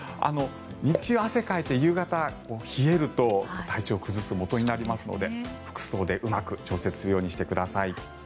日中汗をかいて夕方冷えると体調を崩すもとになりますので服装でうまく調節するようにしてください。